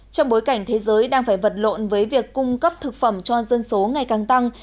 trong bối cảnh thế giới đang phải vật lộn với việc cung cấp thực phẩm cho dân số ngày càng tăng